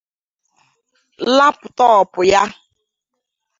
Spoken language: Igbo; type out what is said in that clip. lapụtọọpụ ya